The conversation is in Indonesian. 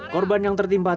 korban yang tertimpa tidur